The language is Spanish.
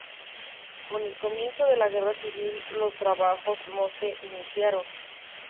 Con el comienzo de la Guerra Civil los trabajos no se iniciaron.